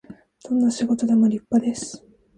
どんな仕事でも立派です